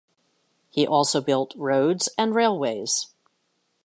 He also built roads and railways.